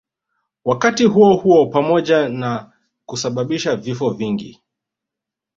Wakati huohuo pamoja na kusababisha vifo vingi